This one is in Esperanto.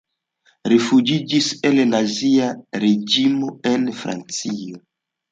Rifuĝiĝis el nazia reĝimo en Francio.